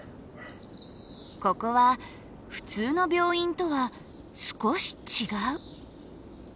ここは普通の病院とは少し違う。